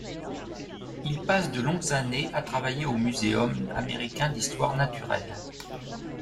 Il passe de longues années à travailler au Muséum américain d'histoire naturelle.